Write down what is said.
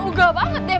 udah banget deh